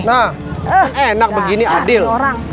nah enak begini adil